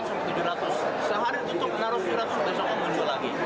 sehari tutup menaruh empat ratus dan soal muncul lagi